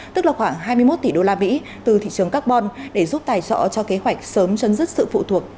tức là khoảng hai mươi một tỷ đô la mỹ từ thị trường carbon để giúp tài trọ cho kế hoạch sớm chấn dứt sự phụ thuộc